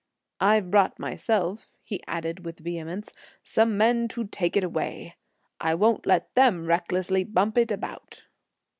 "I've brought myself," he added, with vehemence, "some men to take it away; I won't let them recklessly bump it about."